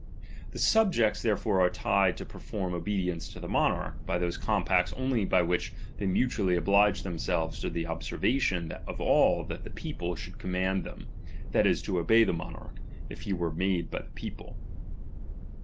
101 The subjects therefore are tied to perform obe dience to the monarch, by those compacts only by which they mutually obUged themselves to the ob servation of all that the people should command them, that is, to obey that monarch, if he were made by the people.